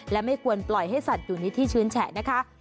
และไม่ควรปล่อยให้สัตว์อยู่ในที่ชื้นแฉะนะคะ